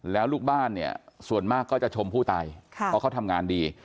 แล้วลูกบ้านเนี่ยส่วนมากก็จะชมผู้ตายเพราะเขาทำงานดี